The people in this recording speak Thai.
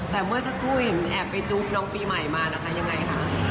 แต่เมื่อสักครู่เห็นแอบไปจู๊บน้องปีใหม่มานะคะยังไงคะ